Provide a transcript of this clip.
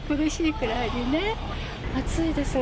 暑いですね。